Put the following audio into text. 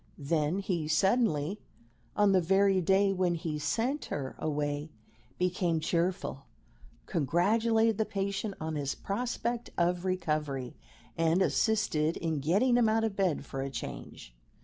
Then he suddenly, on the very day when he sent her away, became cheerful, congratulated the patient on his prospect of recovery, and assisted in getting him out of bed for a change.